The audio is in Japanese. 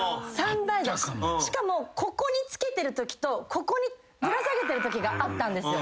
しかもここにつけてるときとここにぶら下げてるときがあったんですよ。